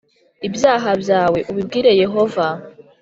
Ibyaha byawe ubibwire Yehova.